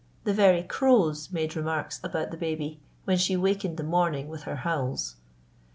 The very crows made remarks about the baby when she wakened the morning with her howls.